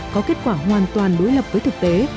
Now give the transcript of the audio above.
có kết quả hoàn toàn đối lập với thực tế